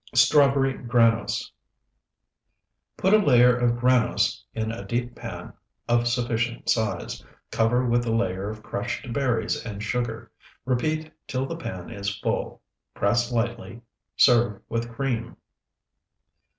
STRAWBERRY GRANOSE Put a layer of granose in a deep pan of sufficient size; cover with a layer of crushed berries and sugar; repeat till the pan is full. Press lightly. Serve with cream.